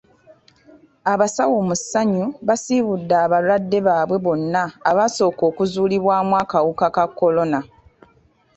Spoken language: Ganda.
Abasawo mu ssanyu baasiibudde abalwadde baabwe bonna abaasooka okuzuulibwamu akawuka ka kolona.